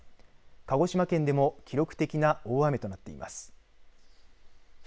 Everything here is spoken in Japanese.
鹿児島県でも記録的な大雨となっています。